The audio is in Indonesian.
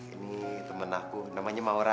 ini teman aku namanya maura